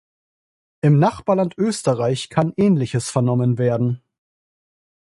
Im Nachbarland Österreich kann Ähnliches vernommen werden.